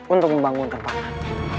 untuk membangunkan paman